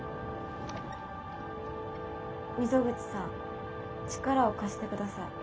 溝口さん力を貸して下さい。